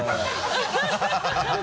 ハハハ